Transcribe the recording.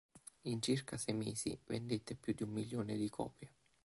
In circa sei mesi vendette più di un milione di copie.